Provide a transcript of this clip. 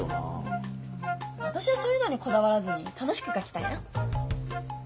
私はそういうのにこだわらずに楽しく書きたいな。